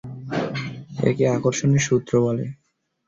একে আকর্ষণের সুত্র বলে।